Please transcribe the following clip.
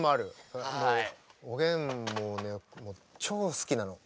おげんもね超好きなの。